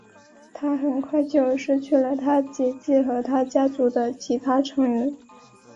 他很快就失去了他姐姐和他家族的其他成员。